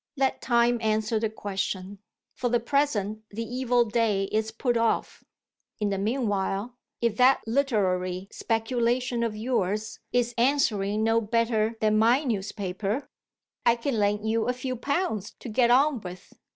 Let time answer the question; for the present the evil day is put off. In the meanwhile, if that literary speculation of yours is answering no better than my newspaper, I can lend you a few pounds to get on with.